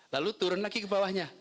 lalu turun lagi ke bawahnya